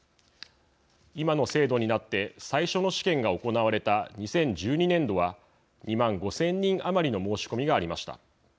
今の制度になって最初の試験が行われた２０１２年度は２万５，０００人余りの申し込みがありました。